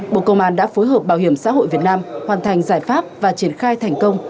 bộ công an đã phối hợp bảo hiểm xã hội việt nam hoàn thành giải pháp và triển khai thành công